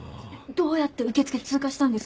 どうやって受付通過したんですか？